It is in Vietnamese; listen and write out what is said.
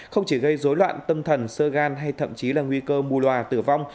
không chỉ gây dối loạn tâm thần sơ gan hay thậm chí là nguy cơ mù loà tử vong